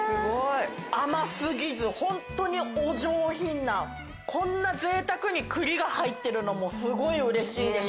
甘過ぎずホントにお上品なこんな贅沢に栗が入ってるのもすごいうれしいですし。